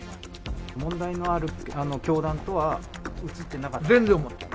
問題のある教団とは映ってなかった？